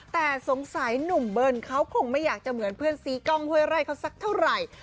แต่สงสัยหนุ่มเบิ้ลเขาคงไม่อยากจะเหมือนเพื่อนซีกล้องห้วยไร่เขาสักเท่าไหร่